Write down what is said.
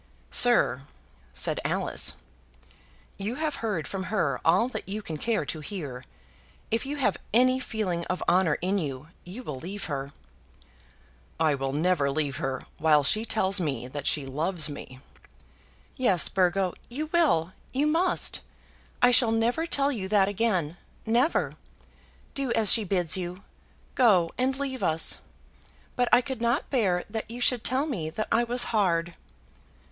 "Sir," said Alice, "you have heard from her all that you can care to hear. If you have any feeling of honour in you, you will leave her." "I will never leave her, while she tells me that she loves me!" "Yes, Burgo, you will; you must! I shall never tell you that again, never. Do as she bids you. Go, and leave us; but I could not bear that you should tell me that I was hard."